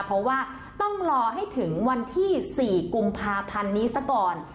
เพราะว่าต้องรอให้ถึงวันที่๔กุมภาพันธ์นี้ซะก่อน